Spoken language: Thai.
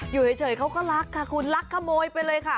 อยู่เฉยเขาก็รักค่ะคุณลักขโมยไปเลยค่ะ